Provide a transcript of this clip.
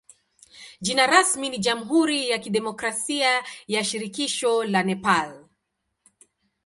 Jina rasmi ni jamhuri ya kidemokrasia ya shirikisho la Nepal.